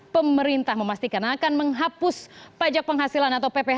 pemerintah memastikan akan menghapus pajak penghasilan atau pph